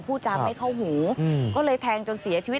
จำไม่เข้าหูก็เลยแทงจนเสียชีวิต